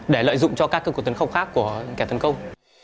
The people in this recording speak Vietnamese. để lợi dụng cho các cơ quan tấn công khác của kẻ tấn công